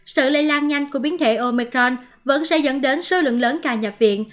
sự lây lan nhanh của biến thể omicron vẫn sẽ dẫn đến số lượng lớn ca nhập viện